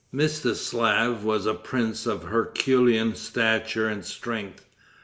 Mstislaf was a prince of herculean stature and strength.